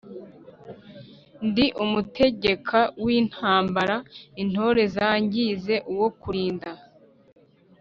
ndi umutegeka w'intambara intore zangize uwo kulinda.